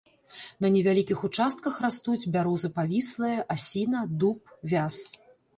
На невялікіх участках растуць бяроза павіслая, асіна, дуб, вяз.